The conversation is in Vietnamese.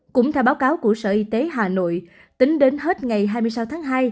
cũng theo báo cáo của sở y tế hà nội tính đến hết ngày hai mươi sáu tháng hai